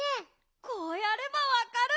こうやればわかるんだ！